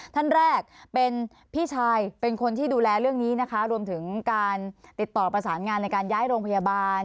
ท่านแรกเป็นพี่ชายเป็นคนที่ดูแลเรื่องนี้นะคะรวมถึงการติดต่อประสานงานในการย้ายโรงพยาบาล